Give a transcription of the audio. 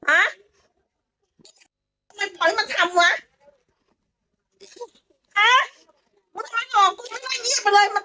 อ่ะทำไมพ้นมาทำวะหาไม่ได้ลองไม่ได้เรียกมาเลย